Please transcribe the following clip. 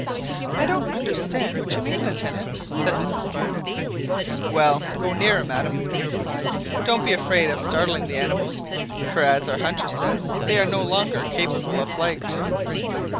"I don't understand what you mean, Lieutenant," said Mrs Barnett. "Well, go nearer, madam," he replied; "don't be afraid of startling the animals; for, as our hunter says, they are no longer capable of flight."